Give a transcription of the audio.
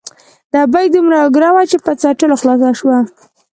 ـ د ابۍ دومره اګوره وه ،چې په څټلو خلاصه شوه.